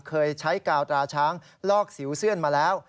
เคยใช้กาวตราช้างลอกสิวเสื้อนมาแล้ว